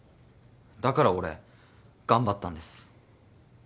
だから俺頑張ったんです。